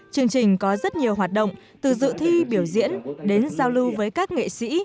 chương trình có rất nhiều hoạt động từ dự thi biểu diễn đến giao lưu với các nghệ sĩ